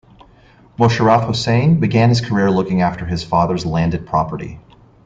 Mosharraf Hossain began his career looking after his father's landed property.